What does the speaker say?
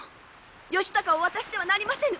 義高を渡してはなりませぬ！